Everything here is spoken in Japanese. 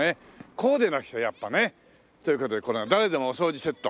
こうでなくちゃやっぱね。という事でこれは「だれでもお掃除セット」。